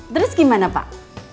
terus gimana pak